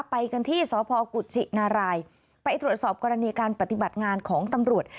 ไปกันที่สพกุชินารายไปตรวจสอบกรณีการปฏิบัติงานของตำรวจ